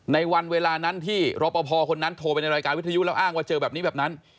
ในวันเวลานั้นที่รอปภคนนั้นโทรไปในรายการวิทยุแล้วอ้างว่าเจอแบบนี้แบบนั้น